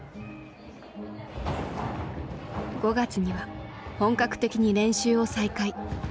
５月には本格的に練習を再開。